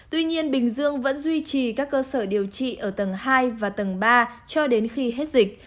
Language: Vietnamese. tuy nhiên bình dương vẫn duy trì các cơ sở điều trị ở tầng hai và tầng ba cho đến khi hết dịch